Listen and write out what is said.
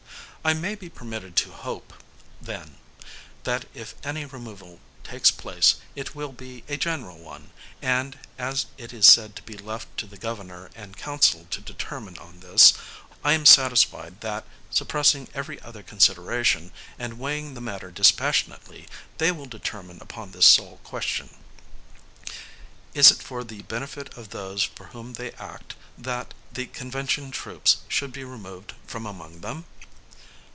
I may be permitted to hope, then, that if any removal takes place, it will be a general one: and, as it is said to be left to the Governor and Council to determine on this, I am satisfied, that, suppressing every other consideration, and weighing the matter dispassionately, they will determine upon this sole question, Is it for the benefit of those for whom they act, that, the Convention troops should be removed from among them?